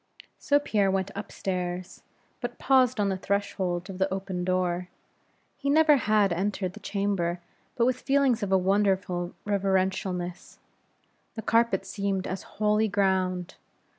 So Pierre went up stairs, but paused on the threshold of the open door. He never had entered that chamber but with feelings of a wonderful reverentialness. The carpet seemed as holy ground.